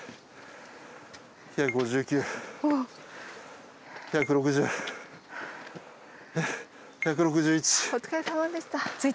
お疲れさまでした。